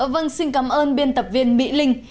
vâng xin cảm ơn biên tập viên mỹ linh